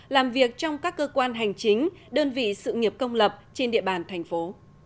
làm việc trong các cơ quan hành chính đơn vị sự nghiệp công lập trên địa bàn thành phố